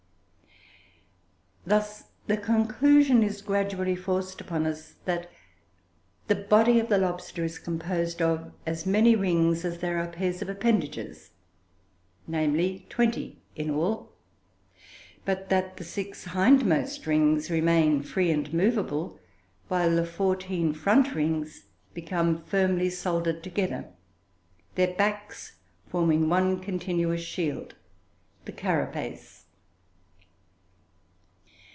Thus the conclusion is gradually forced upon us, that the body of the lobster is composed of as many rings as there are pairs of appendages, namely, twenty in all, but that the six hindmost rings remain free and movable, while the fourteen front rings become firmly soldered together, their backs forming one continuous shield the carapace.